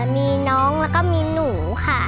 มีน้องแล้วก็มีหนูค่ะ